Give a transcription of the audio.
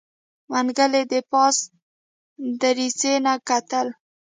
منګلي د پاس دريڅې نه کتل.